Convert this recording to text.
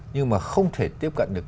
nhưng mà không thể tiếp cận được